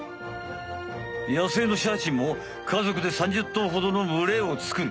野生のシャチも家族で３０頭ほどのむれをつくる。